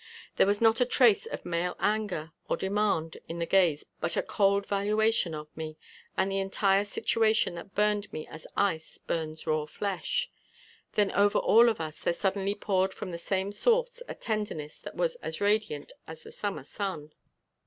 There was not a trace of male anger or demand in the gaze but a cold valuation of me and the entire situation that burned me as ice burns raw flesh, then over all of us there suddenly poured from the same source a tenderness that was as radiant as the summer sun.